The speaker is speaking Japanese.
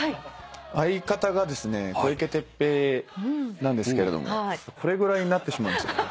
相方がですね小池徹平なんですけれどもこれぐらいになってしまうんですよ。